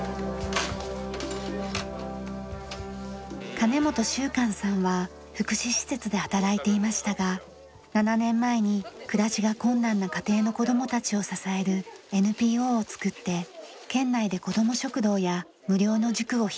金本秀韓さんは福祉施設で働いていましたが７年前に暮らしが困難な家庭の子供たちを支えるＮＰＯを作って県内でこども食堂や無料の塾を開いています。